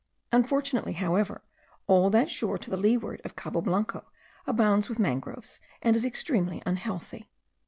Unfortunately, however, all that shore, to leeward of Cabo Blanco, abounds with mangroves, and is extremely unhealthy.